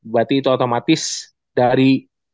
berarti itu otomatis dari